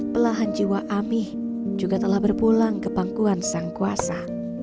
pelahan jiwa amih juga telah berpulang ke pangkuan sang kuasa